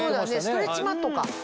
ストレッチマットか。